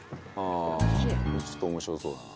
ちょっと面白そうだな。